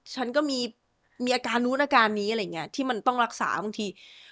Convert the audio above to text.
ฉันก็มีอาการนู้นอาการนี้อะไรอย่างนี้ที่มันต้องรักษาบางที